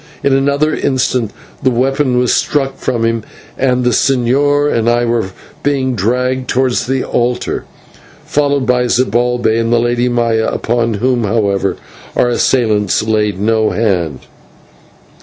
In another instant the weapon was struck from him, and the señor and I were being dragged towards the altar, followed by Zibalbay and the Lady Maya, upon whom, however, our assailants laid no hand.